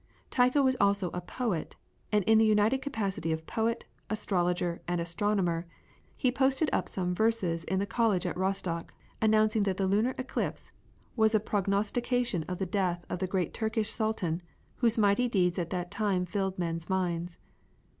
Tycho was also a poet, and in the united capacity of poet, astrologer, and astronomer, he posted up some verses in the college at Rostock announcing that the lunar eclipse was a prognostication of the death of the great Turkish Sultan, whose mighty deeds at that time filled men's minds.